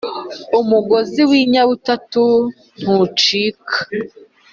Umugozi uw inyabutatu ntucika